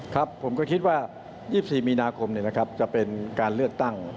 ครับผมก็คิดว่า๒๔มีนาคมจะเป็นการเลือกตั้ง